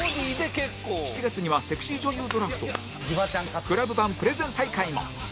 ７月にはセクシー女優ドラフトＣＬＵＢ 版プレゼン大会も